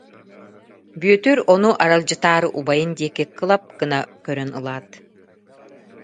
Бүөтүр ону аралдьытаары убайын диэки кылап гына көрөн ылаат: